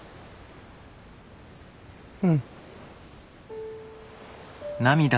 うん。